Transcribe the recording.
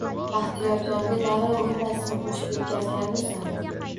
Baxtiyorjonga darrov o`ntasini qo`shib etkazgandursan